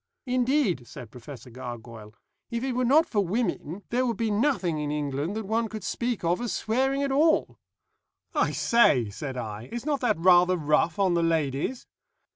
Indeed," said Professor Gargoyle, "if it were not for women there would be nothing in England that one could speak of as swearing at all." "I say," said I, "is not that rather rough on the ladies?"